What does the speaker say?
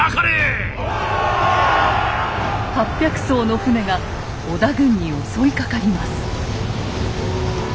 ８００艘の船が織田軍に襲いかかります。